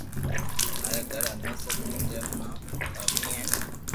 ماري گھر امي سب پندھري ھڻا ڀاتي ھين